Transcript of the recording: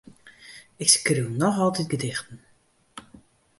Ik skriuw noch altyd gedichten.